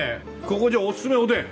ここじゃあおすすめはおでん？